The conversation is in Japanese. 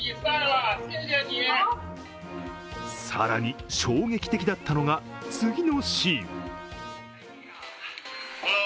更に衝撃的だったのが次のシーン。